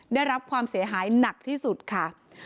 ได้รับความเสียหายหนักที่สุดค่ะ